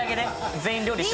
全員料理しろって？